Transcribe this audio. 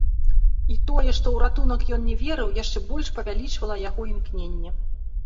І тое, што ў ратунак ён не верыў, яшчэ больш павялічвала яго імкненне.